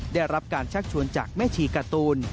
ได้รับการชักชวนจากแม่ชีการ์ตูน